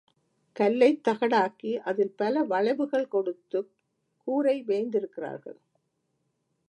கல்லைத் தகடாக்கி அதில் பல வளைவுகள் கொடுத்துக் கூரை வேய்ந்திருக்கிறார்கள்.